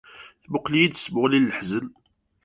Temmuqqel-iyi-d s tmuɣli n leḥzen.